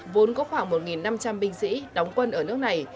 vốn có khoảng một năm trăm linh binh sĩ đóng quân ở nước này